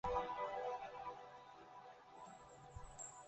中国有自由和民主